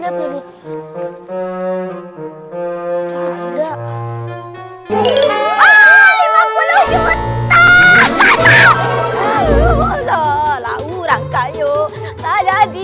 aku seneng seneng consists